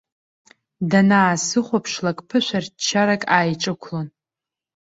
Данаасыхәаԥшлак ԥышәарччарак ааиҿықәлон.